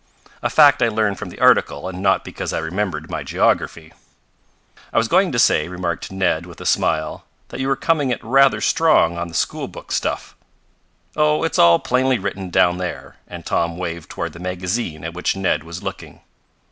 A fact I learned from the article and not because I remembered my geography." "I was going to say," remarked Ned with a smile, "that you were coming it rather strong on the school book stuff." "Oh, it's all plainly written down there," and Tom waved toward the magazine at which Ned was looking.